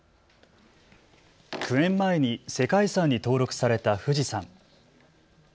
９年前に世界遺産に登録された富士山。